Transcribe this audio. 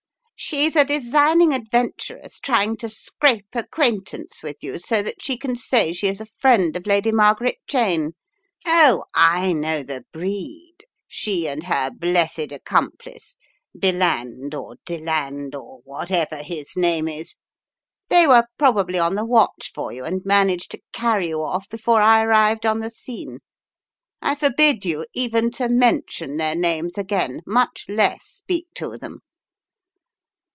"She's a designing adventuress trying to scrape acquaintance with you, so that she can say she is a friend of Lady Margaret Cheyne! Oh, I know the breed, she and her blessed accomplice, Belaud, or Deland, or whatever his name is, they were probably on the watch for you, and managed to carry you off before I arrived on the scene. I forbid you even to mention their names again, much less speak to them."